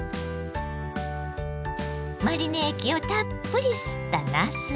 マリネ液をたっぷり吸ったなす。